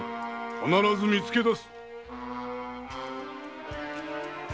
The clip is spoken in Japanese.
必ず見つけ出す。